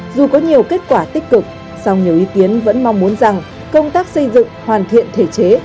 dù có nhiều kết quả tích cực song nhiều ý kiến vẫn mong muốn rằng công tác xây dựng hoàn thiện thể chế